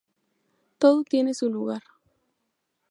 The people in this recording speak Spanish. Todo tiene su lugar.